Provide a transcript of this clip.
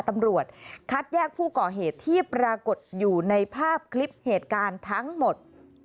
ตำรวจคัดแยกผู้ก่อเหตุที่ปรากฏอยู่ในภาพคลิปเหตุการณ์ทั้งหมด